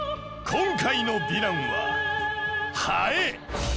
今回のヴィランは「ハエ第２弾」！